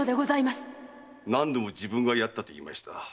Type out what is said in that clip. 何度も「自分がやった」と言いました。